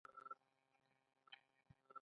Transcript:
زمری ولې د ځنګل پاچا دی؟